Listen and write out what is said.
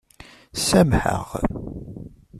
Sameḥ-aɣ.